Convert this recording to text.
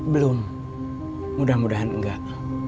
belum mudah mudahan enggak